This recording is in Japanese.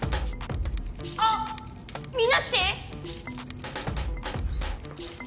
あっみんな来て！